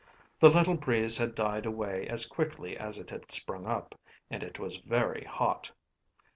The little breeze had died away as quickly as it had sprung up, and it was very hot.